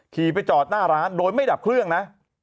ขี่ไปจอดหน้าร้านโดยไม่ดับเครื่องนะ